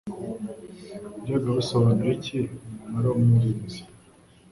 byabaga bisobanura iki Umunara w Umurinzi